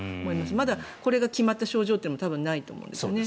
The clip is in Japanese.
まだこれが決まった症状っていうのがないと思うんですね。